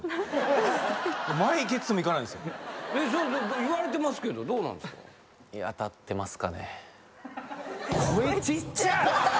言われてますけどどうなんすか？